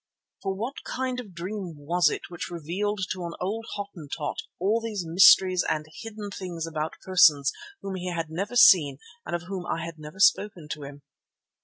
For what kind of a dream was it which revealed to an old Hottentot all these mysteries and hidden things about persons whom he had never seen and of whom I had never spoken to him?